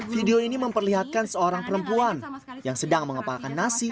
video ini memperlihatkan seorang perempuan yang sedang mengepalkan nasi